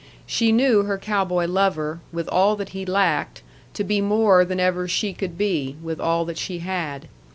She knew her cow boy lover, with all that he lacked, to be more than ever she could be, with all that she had.